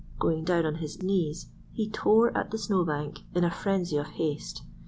Going down on his knees he tore at the snow bank in a frenzy of haste.